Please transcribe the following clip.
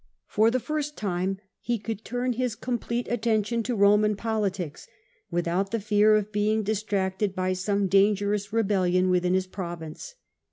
For the first time he could turn his com plete attention to Roman politics, without the fear of being distracted by some dangerous rebellion within his province.